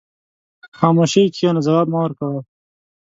په خاموشۍ کښېنه، ځواب مه ورکوه.